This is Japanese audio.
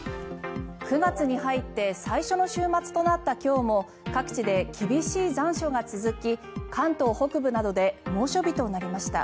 ９月に入って最初の週末となった今日も各地で厳しい残暑が続き関東北部などで猛暑日となりました。